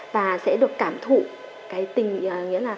và sẽ được cảm thụ